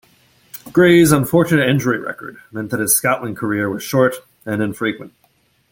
Gray's unfortunate injury record meant that his Scotland career was short and infrequent.